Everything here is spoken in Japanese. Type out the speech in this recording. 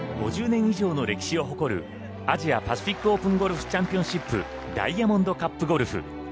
５０年以上の歴史を誇るアジアパシフィックオープンゴルフチャンピオンシップダイヤモンドカップゴルフ。